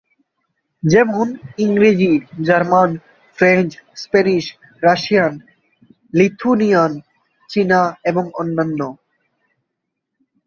যেমন- ইংরেজি, German, French, Spanish, Russian, Lithuanian, চীনা এবং অন্যান্য।